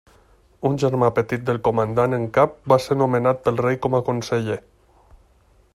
Un germà petit del comandant en cap va ser nomenat pel rei com a conseller.